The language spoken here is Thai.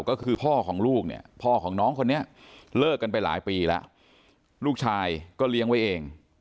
ก็คือพ่อของลูกเนี่ยพ่อของน้องคนนี้เลิกกันไปหลายปีแล้วลูกชายก็เลี้ยงไว้เอง